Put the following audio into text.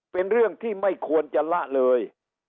เป็นเรื่องที่ไม่ควรจะละเลย